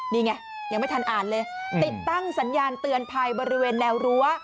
นี่ไงยังไม่ทันอ่านเลยติดตั้งสัญญาณเตือนภัยบริเวณแนวรั้ว